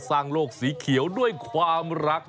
สร้างโลกสีเขียวด้วยความรัก